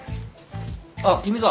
あっ君か。